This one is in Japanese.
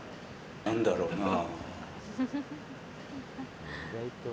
何だろうな。